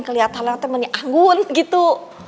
keliatannya menyanggun gitu